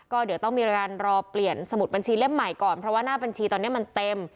ก็เดี๋ยวต้องมีการรอเปลี่ยนสมุดบัญชีเล่มใหม่ก่อนเพราะว่าหน้าบัญชีตอนนี้มันเต็ม